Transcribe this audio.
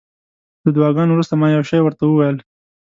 له دعاګانو وروسته ما یو شی ورته وویل.